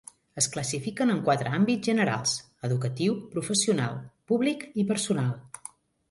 Es classifiquen en quatre àmbits generals: educatiu, professional, públic i personal.